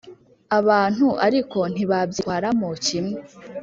abantu ariko ntibabyitwaramo kimwe